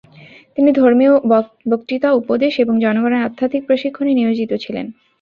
তিনি ধর্মীয় বক্তৃতা, উপদেশ এবং জনগণের আধ্যাত্মিক প্রশিক্ষণে নিয়োজিত ছিলেন।